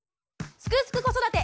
「すくすく子育て」！